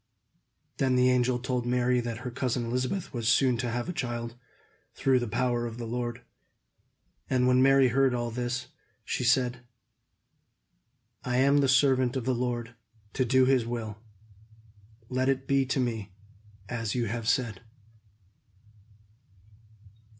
Then the angel told Mary that her cousin Elizabeth was soon to have a child, through the power of the Lord. And when Mary heard all this, she said: "I am the servant of the Lord, to do his will. Let it be to me as you have said."